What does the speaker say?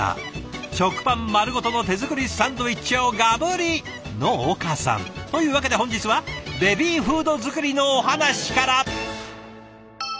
食パン丸ごとの手作りサンドイッチをガブリ！の岡さん。というわけで本日はベビーフード作りのお話から。